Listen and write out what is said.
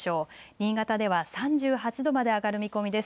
新潟では３８度まで上がる見込みです。